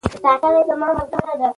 ښوونځي اوس روښانه اصول لري.